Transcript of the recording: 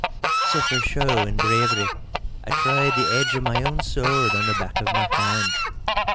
So for show and bravery I tried the edge of my own sword on the back of my hand.